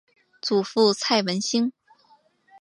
祖父蔡文兴。